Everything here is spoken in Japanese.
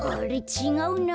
ちがうな。